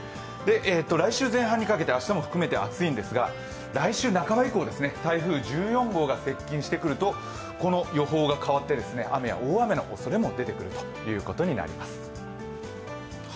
来週前半にかけて明日も含めて暑いんですが、来週半ば以降、台風１４号が接近してくるとこの予報が変わって、雨や大雨の恐れも出てくるということになります。